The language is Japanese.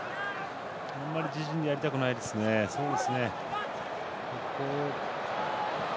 あんまり自陣でやりたくないですね。